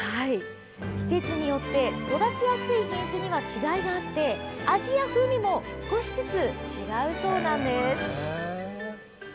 季節によって育ちやすい品種には違いがあって味や風味も少しずつ違うそうなんです。